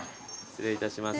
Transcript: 失礼しまーす。